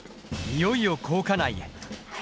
いよいよ高架内へ。